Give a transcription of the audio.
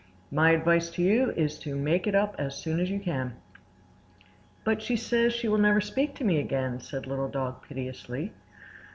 My advice to you is to make it up as soon as you can." "But she says she will never speak to me again!" said Little Dog piteously.